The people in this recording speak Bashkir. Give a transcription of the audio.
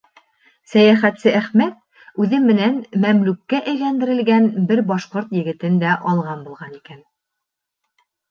Сәйәхәтсе Әхмәт үҙе менән мәмлүккә әйләндерелгән бер башҡорт егетен дә алған булған икән.